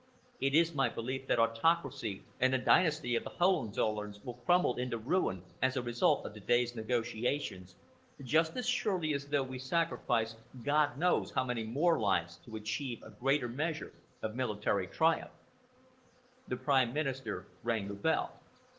It is my belief that autocracy and the dynasty of the Hohenzollerns will crumble into ruin as a result of today's negotiations, just as surely as though we sacrificed God knows how many more lives to achieve a greater measure of military triumph." The Prime Minister rang the bell.